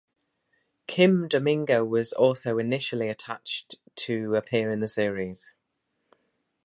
Kim Domingo was also initially attached to appear in the series.